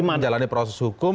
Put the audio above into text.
menjalani proses hukum